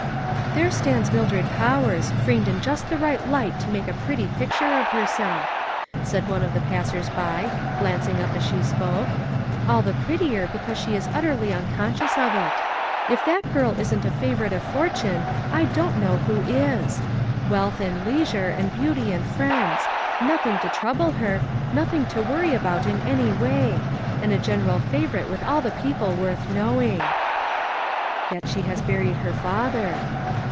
" There stands Mildred Powers, framed in just the right light to make a pretty pic ture of herself," said one of the passers by, glancing up as she spoke. "All the prettier because she is utterly unconscious of it. If that girl isn't a favorite of fortune, I don't know who is. Wealth, and leisure, and beauty and friends ; nothing to trouble her, nothing to worry about in any w&y ; and a general favorite with all the people worth knowing." " Yet she has buried her father."